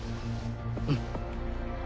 うん。